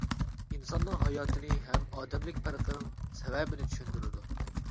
ئىنساننىڭ ھاياتىنى ھەم ئادەملىك پەرقنىڭ سەۋەبىنى چۈشەندۈرىدۇ.